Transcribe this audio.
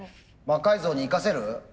魔改造に生かせる？